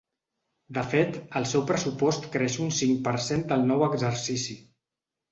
De fet, el seu pressupost creix un cinc per cent el nou exercici.